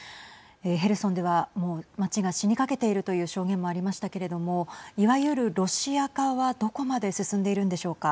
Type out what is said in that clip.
ヘルソンでは街が死にかけているという証言もありましたけどもいわゆる、ロシア化はどこまで進んでいるんでしょうか。